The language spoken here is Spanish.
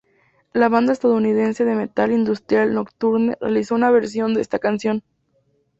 La banda estadounidense de metal industrial Nocturne realizó una versión de esta canción.